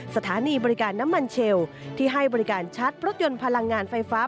สถานีบริการน้ำมันเชลที่ให้บริการชาร์จรถยนต์พลังงานไฟฟ้า